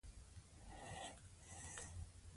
نو ډیر هم نه دي.